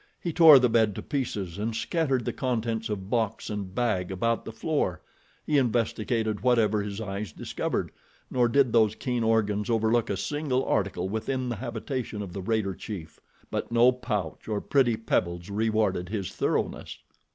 He tore the bed to pieces and scattered the contents of box and bag about the floor. He investigated whatever his eyes discovered, nor did those keen organs overlook a single article within the habitation of the raider chief; but no pouch or pretty pebbles rewarded his thoroughness.